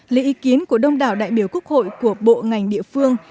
lấy ý kiến của đông đảo đại biểu quốc hội của bộ ngành địa phương